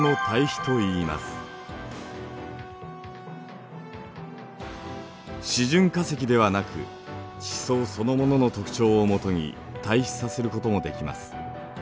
示準化石ではなく地層そのものの特徴をもとに対比させることもできます。